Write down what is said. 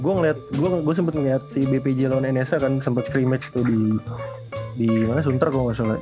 gua liat gua sempet liat si bpj lawan nsa kan sempet scrimmage tuh di di mana suntar kalo nggak salah